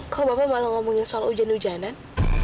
kok bapak malah ngomongin soal hujan hujanan